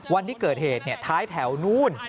วันที่เกิดเหตุท้ายแถวนู่น